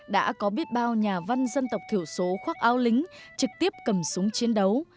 đã có biết bao nhà văn dân tộc thiểu số khoác ao lính trực tiếp cầm súng chiến đấu